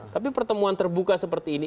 tapi pertemuan terbuka seperti ini